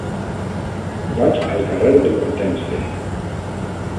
Vaig al carrer de l'Hortènsia.